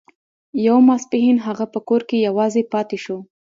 يو ماسپښين هغه په کور کې يوازې پاتې شو.